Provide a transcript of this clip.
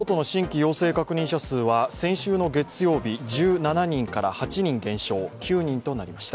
東京都の新規陽性確認者数は先週の月曜日、１７人から８人減少、９人となりました。